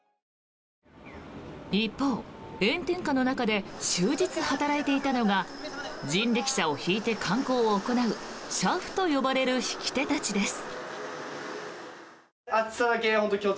一方、炎天下の中で終日働いていたのが人力車を引いて観光を行う俥夫と呼ばれる引き手たちです。